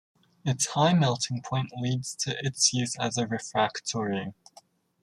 Its high melting point leads to its use as a refractory.